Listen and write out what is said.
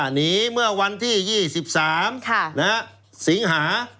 เมื่อวันที่๒๓สิงหา